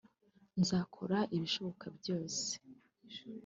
nzakora ibishoboka byose